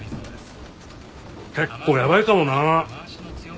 結構ヤバいかもな。